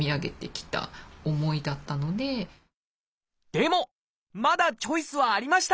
でもまだチョイスはありました！